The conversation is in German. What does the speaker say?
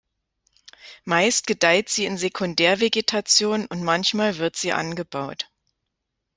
Meist gedeiht sie in Sekundärvegetation und manchmal wird sie angebaut.